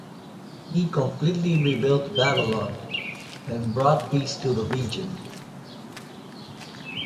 He completely rebuilt Babylon and brought peace to the region.